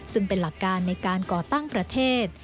ซึ่งเป็นหลักการในการก่อตั้งประเทศ